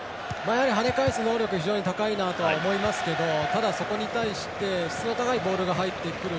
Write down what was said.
やはり、はね返す能力は非常に高いなと思いますけどただ、そこに対して質の高いボールが入ってくる。